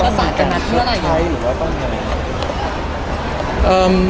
แล้วต้องการการัฐ้าเทียดอะไรอยู่